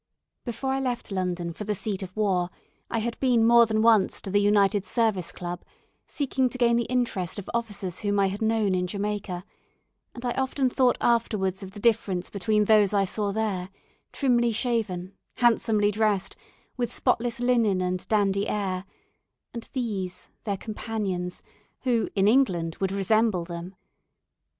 Before I left London for the seat of war I had been more than once to the United Service Club, seeking to gain the interest of officers whom I had known in Jamaica; and I often thought afterwards of the difference between those I saw there trimly shaven, handsomely dressed, with spotless linen and dandy air, and these their companions, who in England would resemble them.